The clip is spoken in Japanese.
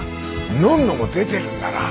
のんのも出てるんだな。